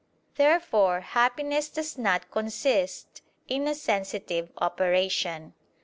Therefore happiness does not consist in a sensitive operation.